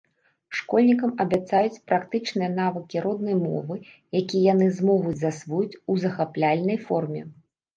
Школьнікам абяцаюць практычныя навыкі роднай мовы, якія яны змогуць засвоіць у захапляльнай форме.